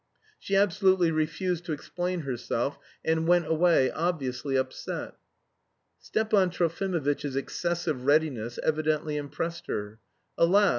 She absolutely refused to explain herself, and went away, obviously upset. Stepan Trofimovitch's excessive readiness evidently impressed her. Alas!